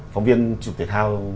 phóng viên chụp thể thao